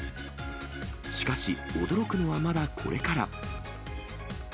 しかし、驚くのはまだこれから。